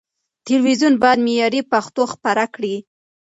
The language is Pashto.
تلويزيون بايد معياري پښتو خپره کړي.